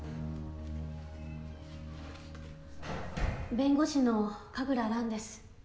弁護士の神楽蘭です。